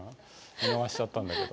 見逃しちゃったんだけど。